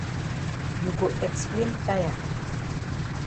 You go explain tire.